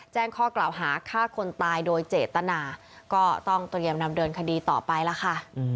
แจ้งข้อกล่าวหาฆ่าคนตายโดยเจตนาก็ต้องเตรียมดำเนินคดีต่อไปล่ะค่ะ